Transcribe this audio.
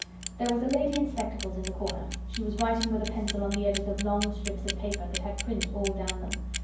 There was a lady in spectacles in the corner. She was writing with a pencil on the edges of long strips of paper that had print all down them.